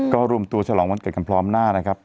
ก็รวมตัวฉลองวันเกิดกันพร้อมหน้านะครับ